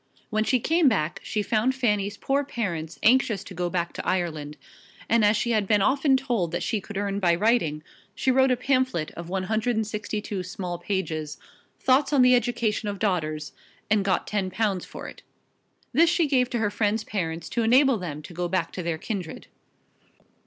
When she came back she found Fanny's poor parents anxious to go back to Ireland; and as she had been often told that she could earn by writing, she wrote a pamphlet of 162 small pages "Thoughts on the Education of Daughters" and got ten pounds for it. This she gave to her friend's parents to enable them to go back to their kindred.